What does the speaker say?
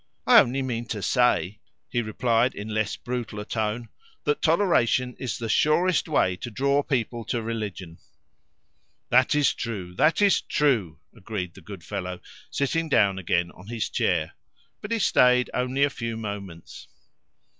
"I only mean to say," he replied in less brutal a tone, "that toleration is the surest way to draw people to religion." "That is true! that is true!" agreed the good fellow, sitting down again on his chair. But he stayed only a few moments.